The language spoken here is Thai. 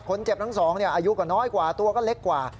คนเจ็บทั้งสองอายุก็น้อยกว่าตัวก็เล็กกว่า